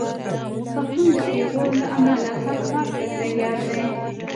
پښتون د پېغور له امله هر کار ته تیار دی.